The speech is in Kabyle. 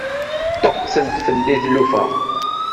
Ṭṭuqqtent fell-i tlufa.